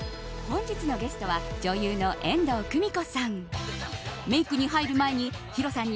本日のゲストは女優の遠藤久美子さん。